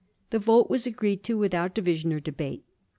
The vote was agreed to without division or debate.